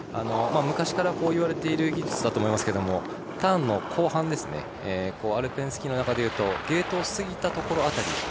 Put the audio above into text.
昔からいわれている技術だと思いますけれどもターンの後半アルペンスキーの中でいうとゲートを過ぎたところ辺り。